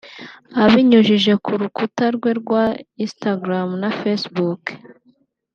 Abinyujije ku rukuta rwe rwa Instagram na Facebook